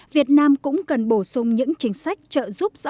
việt nam cũng cần bổ sung những chính sách trợ giúp xã hội